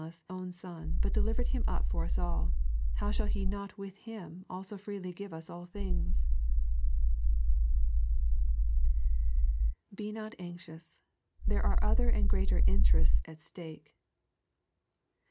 He that spared not His own Son, but delivered Him up for us all, how shall He not with Him also freely give us all thingB 1 " B* HOT Anxious : there are other and greater Interests at Slake.